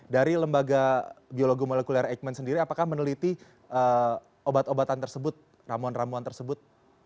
dari lembaga biologi molekuler eijkman sendiri apakah meneliti obat obatan tersebut ramuan ramuan tersebut